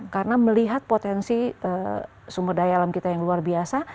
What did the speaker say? karena melihat potensi sumber daya alam kita yang luar biasa